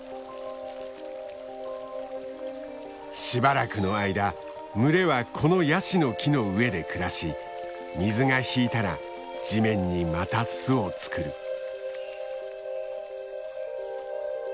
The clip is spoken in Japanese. しばらくの間群れはこのヤシの木の上で暮らし水が引いたら地面にまた巣を作る。